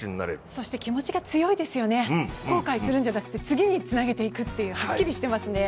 そして気持ちが強いですよね、後悔するんじゃなくて次につなげていくという、はっきりしていますね。